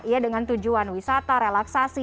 ya dengan tujuan wisata relaksasi